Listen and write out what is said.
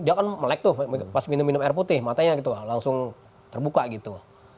dia kan melek tuh pas minum minum air putih matanya gitu langsung terbuka gitu